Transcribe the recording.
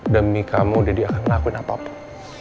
demi kamu dedi akan ngelakuin apapun